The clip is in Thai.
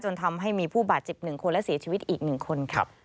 ทำให้มีผู้บาดเจ็บ๑คนและเสียชีวิตอีก๑คนครับ